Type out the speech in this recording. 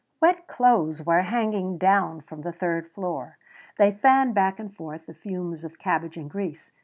Wet clothes were hanging down from the third floor. They fanned back and forth the fumes of cabbage and grease.